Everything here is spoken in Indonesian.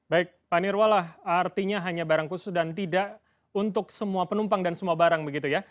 baik pak nirwalah artinya hanya barang khusus dan tidak untuk semua penumpang dan semua barang begitu ya